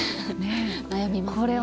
悩みますね。